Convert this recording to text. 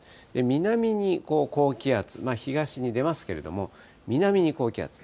南に高気圧、東に出ますけれども、南に高気圧。